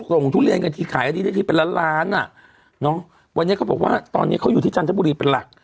ทุเรียนกันทีขายอันนี้ได้ทีเป็นล้านล้านอ่ะเนอะวันนี้เขาบอกว่าตอนนี้เขาอยู่ที่จันทบุรีเป็นหลัก